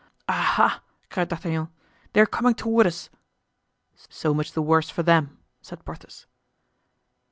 "Aha!" cried D'Artagnan, "they're coming toward us." "So much the worse for them," said Porthos.